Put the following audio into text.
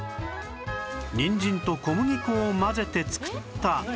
にんじんと小麦粉を混ぜて作った